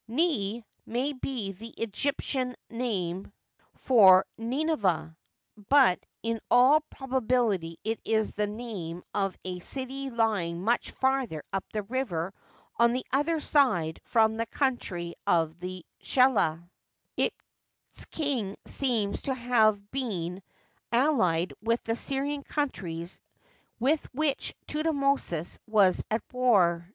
Nit may be the Egyptian name of Nineveh, but in all probability it is the name of a city lying much farther up the river on the other side from the country of the Cheta ; its king seems to have been allied with the Syrian countries with which Thutmosis was at war.